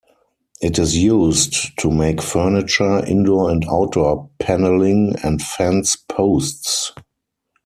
It is used to make furniture, indoor and outdoor panelling, and fence posts.